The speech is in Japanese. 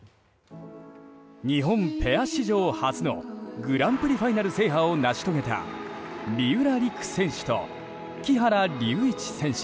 日本ペア史上初のグランプリファイナル制覇を成し遂げた三浦璃来選手と木原龍一選手。